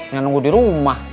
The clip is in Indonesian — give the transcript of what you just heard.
nggak nunggu di rumah